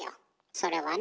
それはね。